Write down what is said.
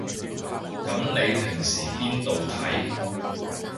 噉你平時邊度睇